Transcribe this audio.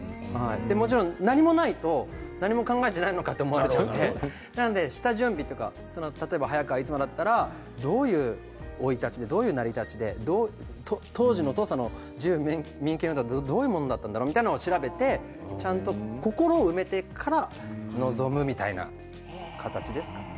もちろん何もないと何も考えていないのかと思われちゃうので下準備とか例えば早川逸馬だったらどういう生い立ちでどういう成り立ちで当時の土佐の自由民権運動はどういうものだったんだろうというのは調べてちゃんと心を埋めてから臨むみたいな形ですかね。